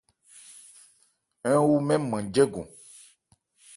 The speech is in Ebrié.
Ń wu mɛ́n nman jɛ́gɔn.